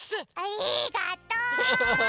ありがとう！